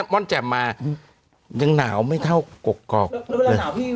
ม่อนแจ่บมายังหนาวไม่เข้าเรทกรกก